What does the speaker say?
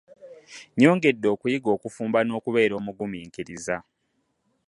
Nyongedde okuyiga okufumba nokubeera omuguminkiriza.